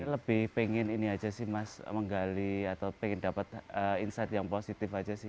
lebih pengen ini aja sih mas menggali atau pengen dapat insight yang positif aja sih